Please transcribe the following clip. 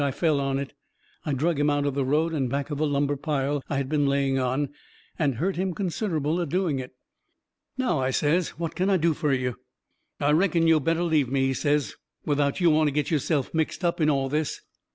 I fell on it." I drug him out of the road and back of the lumber pile I had been laying on, and hurt him considerable a doing it. "Now," I says, "what can I do fur you?" "I reckon yo' better leave me," he says, "without yo' want to get yo'self mixed up in all this."